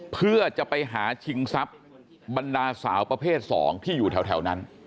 เพื่อจะไปหาชิงทรัพย์บรรดาสาวประเภท๒ที่อยู่แถวนั้น